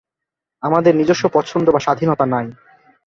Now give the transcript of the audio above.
আমাদের নিজস্ব পছন্দ বা স্বাধীনতা নাই।